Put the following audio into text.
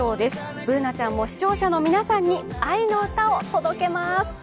Ｂｏｏｎａちゃんも視聴者の皆さんに愛の歌を届けます。